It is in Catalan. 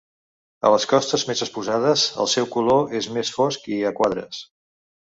A les costes més exposades, el seu color és més fosc i a quadres.